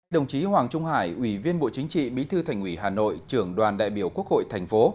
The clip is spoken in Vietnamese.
đồng chí hoàng trung hải ủy viên bộ chính trị bí thư thành ủy hà nội trưởng đoàn đại biểu quốc hội thành phố